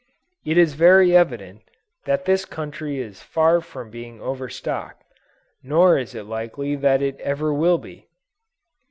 It is very evident, that this country is far from being overstocked; nor it is likely that it ever will be.